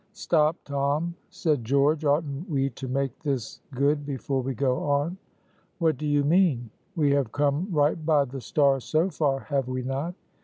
"Stop, Tom," said George; "oughtn't we to make this good before we go on?" "What do you mean?" "We have come right by the star so far, have we not?"